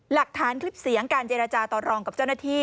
คลิปเสียงการเจรจาต่อรองกับเจ้าหน้าที่